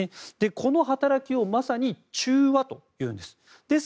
この働きを、まさに中和というんです。